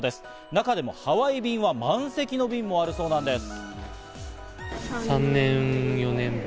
中でもハワイ便は満席の便もあるそうです。